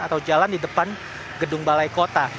atau jalan di depan gedung balai kota